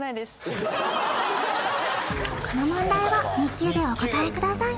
この問題は日給でお答えください